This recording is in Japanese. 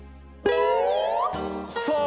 さあ